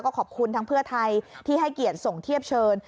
ขอบคุณทั้งเพื่อไทยที่ให้เกียรติส่งเทียบเชิญ